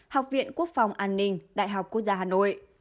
học viện quốc phòng an ninh đại học quốc gia hà nội